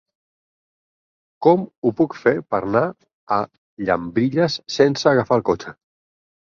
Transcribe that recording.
Com ho puc fer per anar a Llambilles sense agafar el cotxe?